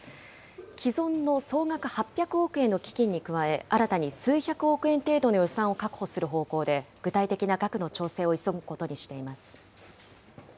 既存の総額８００億円の基金に加え、新たに数百億円程度の予算を確保する方向で、具体的な額の調整を急ぐことにしています。